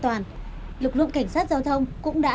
của lực lượng thực sát giáo mộ